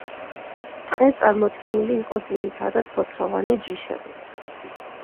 ტყე წარმოდგენილი იყო ძირითადად ფოთლოვანი ჯიშებით.